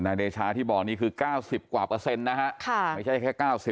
เดชาที่บอกนี่คือ๙๐กว่าเปอร์เซ็นต์นะฮะไม่ใช่แค่๙๐